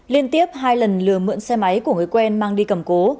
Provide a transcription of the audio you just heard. liên tiếp hai lần lừa mượn xe máy của người quen mang đi cầm cố